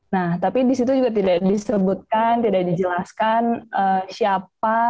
nah tapi disitu juga tidak disebutkan tidak dijelaskan siapa